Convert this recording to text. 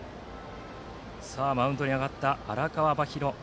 マウンドに上がった荒川真裕。